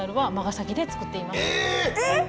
えっ？